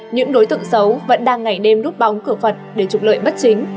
những đối tượng xấu vẫn đang ngày đêm rút bóng cửa phật để trục lợi bất chính